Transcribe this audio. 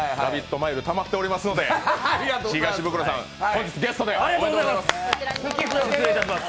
マイル、たまっておりますので東ブクロさん、本日ゲストでお願いいたします